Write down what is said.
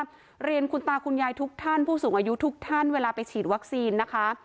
เรียนคุณตาคุณยายทุกท่านผู้สูงอายุทุกท่านเวลาไปฉีดวัคซีนนะคะ